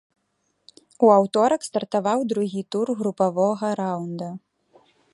У аўторак стартаваў другі тур групавога раўнда.